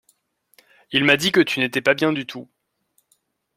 Il m’a dit que tu n’étais pas bien du tout.